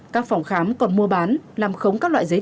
các phòng khám còn mua bán làm khống các loại giấy tờ